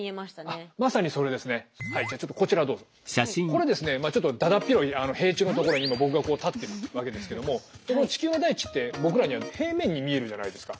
これですねちょっとだだっ広い平地の所に今僕が立ってるわけですけどもこの地球の大地って僕らには平面に見えるじゃないですか。